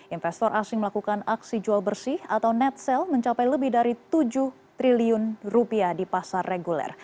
investor asing melakukan aksi jual bersih atau net sale mencapai lebih dari tujuh triliun rupiah di pasar reguler